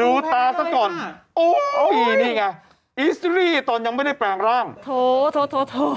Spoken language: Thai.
ดูตาซะก่อนโอ้ยนี่ไงตอนยังไม่ได้แปลงร่างโทษโทษโทษ